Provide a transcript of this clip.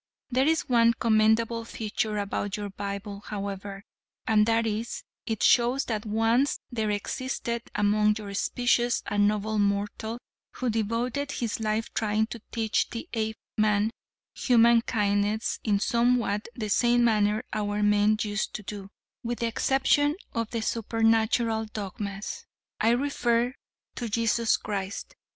There is one commendable feature about your Bible however, and that is, it shows that once there existed among your species a noble mortal who devoted his life trying to teach the Apeman human kindness in somewhat the same manner our men used to do, with the exception of the supernatural dogmas. I refer to Jesus Christ.